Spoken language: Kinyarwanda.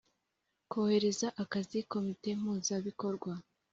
Korohereza akazi komite mpuzabikorwa